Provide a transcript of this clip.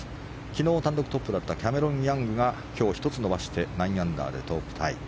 昨日、単独トップだったキャメロン・ヤングが今日、１つ伸ばして９アンダーでトップタイ。